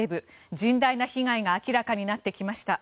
甚大な被害が明らかになってきました。